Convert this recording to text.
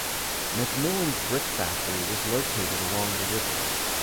McMillan's brick factory was located along the river.